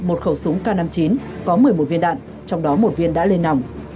một khẩu súng k năm mươi chín có một mươi một viên đạn trong đó một viên đã lên nòng